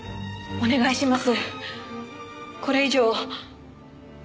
お願いします。